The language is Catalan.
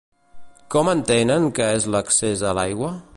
Com entenen que és l'accés a l'aigua?